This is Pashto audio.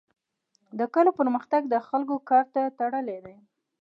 د کلو پرمختګ د خلکو کار ته تړلی دی.